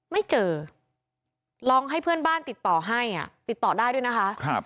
ไม่เจอลองให้เพื่อนบ้านติดต่อให้ติดต่อได้ด้วยนะคะ